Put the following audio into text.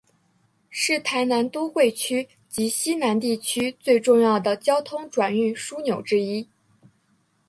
是台南都会区及溪南地区最重要的交通转运枢纽之一。